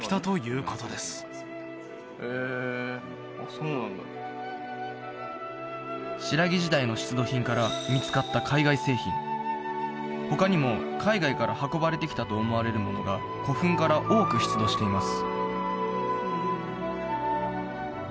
そうなんだ新羅時代の出土品から見つかった海外製品他にも海外から運ばれてきたと思われるものが古墳から多く出土しています